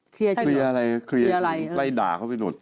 เคลียร์อะไรไล่ด่าเขาไปหลุด